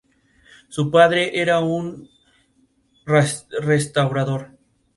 Se grabó un vídeo para "Spiritual Void", aunque no logró la rotación esperada.